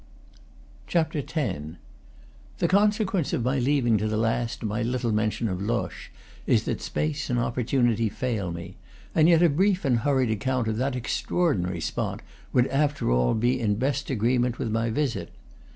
X. The consequence of my leaving to the last my little mention of Loches is that space and opportunity fail me; and yet a brief and hurried account of that extra ordinary spot would after all be in best agreement with my visit.